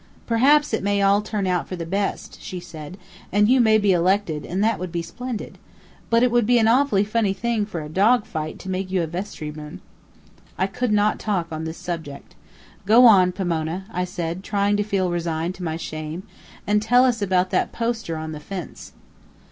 "Perhaps it may all turn out for the best," she said, "and you may be elected, and that would be splendid. But it would be an awfully funny thing for a dog fight to make you a vestry man." I could not talk on this subject. "Go on, Pomona," I said, trying to feel resigned to my shame, "and tell us about that poster on the fence."